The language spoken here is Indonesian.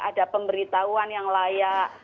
ada pemberitahuan yang layak